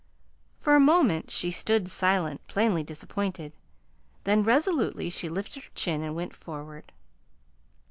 For a moment she stood silent, plainly disappointed; then resolutely she lifted her chin and went forward.